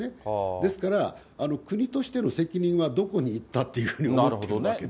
ですから、国としての責任はどこにいったっていうふうに思ってるわけで。